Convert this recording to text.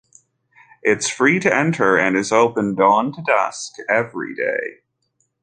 It is free to enter and is open dawn to dusk every day.